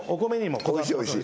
おいしいおいしい。